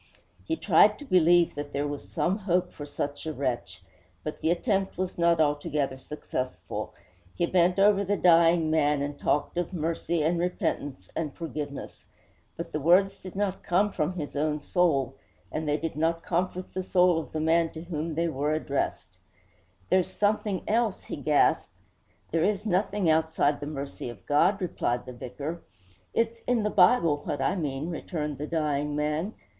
He tried to believe that there was some hope for such a wretch; but the attempt was not altogether successful. He bent over the dying man and talked of mercy and repentance and forgiveness. But the words did not come from his own soul, and they did not comfort the soul of the man to whom they were addressed. 'There's something else!' he gasped. 'There is nothing outside the mercy of God,' replied the vicar. 'It's in the Bible, what I mean,' returned the dying man.